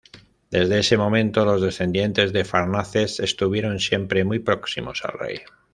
Desde ese momento los descendientes de Farnaces estuvieron siempre muy próximos al rey.